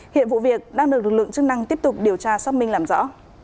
hiện vụ việc đang được lực lượng chức năng tiếp tục điều tra xác minh làm rõ